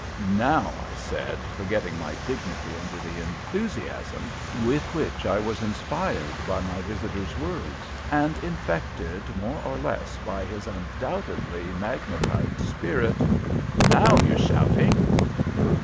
"Now," I said, forgetting my dignity under the enthusiasm with which I was inspired by my visitor's words, and infected more or less with his undoubtedly magnetite spirit "now you're shouting."